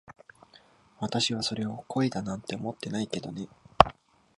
私はそれを恋だなんて思ってないけどね。